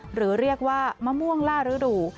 หรือเรียกว่ามะม่วงล่าฤดู